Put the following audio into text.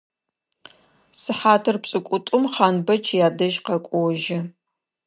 Сыхьатыр пшӏыкӏутӏум Хъанбэч ядэжь къэкӏожьы.